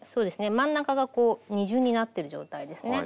真ん中がこう二重になってる状態ですね。